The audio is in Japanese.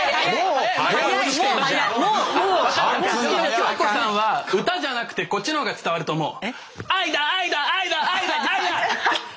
京子さんは歌じゃなくてこっちの方が伝わると思う。